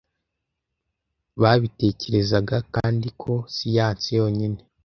babitekerezaga kandi ko siyanse yonyine